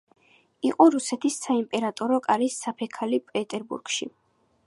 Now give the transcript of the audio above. იყო რუსეთის საიმპერატორო კარის სეფექალი პეტერბურგში.